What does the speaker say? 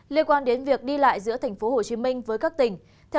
liên quan đến việc đi lại giữa tp hcm với các tỉnh